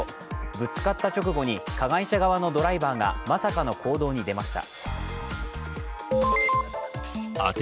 ぶつかった直後に加害者側のドライバーがまさかの行動に出ました。